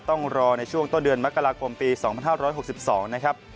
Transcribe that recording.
ต้องรอในช่วงต้นเดือนมกราคมปี๒๕๖๒นะครับ